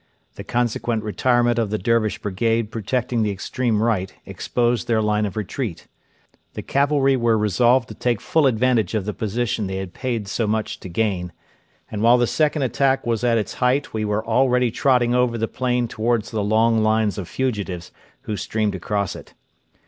The consequent retirement of the Dervish brigade protecting the extreme right exposed their line of retreat. The cavalry were resolved to take full advantage of the position they had paid so much to gain, and while the second attack was at its height we were already trotting over the plain towards the long lines of fugitives who streamed across it.